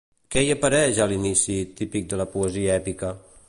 Què hi apareix a l'inici, típic de la poesia èpica?